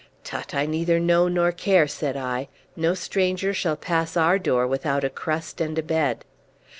"Tut, I neither know nor care," said I. "No stranger shall pass our door without a crust and a bed."